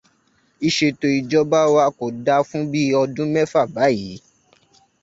Ìṣètò ìjọba wa kò da fún bí ọdún mẹ́fà báyìí.